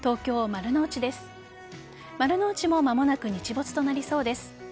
丸の内も間もなく日没となりそうです。